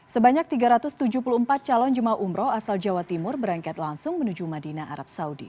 sebanyak tiga ratus tujuh puluh empat calon jemaah umroh asal jawa timur berangkat langsung menuju madinah arab saudi